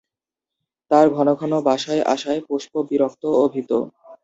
তার ঘন ঘন বাসায় আসায় পুষ্প বিরক্ত ও ভীত।